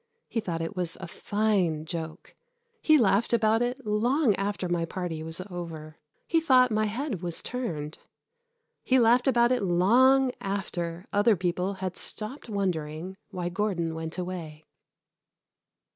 He thought it was a fine joke. He laughed about it long after my party was over. He thought my head was turned. He laughed about it long after other people had stopped wondering why Gordon went away.